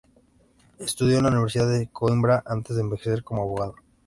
Estudió en la Universidad de Coímbra antes de ejercer como abogado.